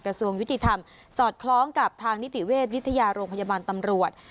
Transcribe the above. กระทรวงยุติธรรมสอดคล้องกับทางนิติเวชวิทยาโรงพยาบาลตำรวจ